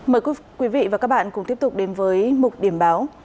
mời quý vị và các bạn cùng tiếp tục đến với mục điểm báo